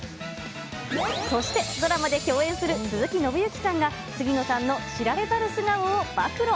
そしてドラマで共演する鈴木伸之さんが、杉野さんの知られざる素顔を暴露。